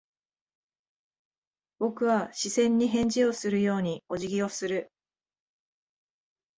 僕は視線に返事をするようにお辞儀をする。